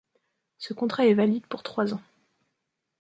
Ce contrat est valide pour trois ans.